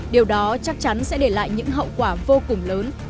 điều đó chắc chắn sẽ để lại những hậu quả vô cùng lớn